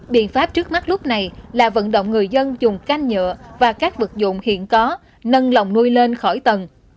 biện pháp trước mắt lúc này là vận động người dân dùng canh nhựa và các vật dụng hiện có nâng lồng nuôi lên khỏi tầng